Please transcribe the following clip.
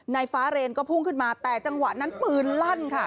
นายฟ้าเรนก็พุ่งขึ้นมาแต่จังหวะนั้นปืนลั่นค่ะ